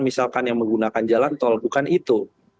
misalkan yang menggunakan jalan tol bukan itu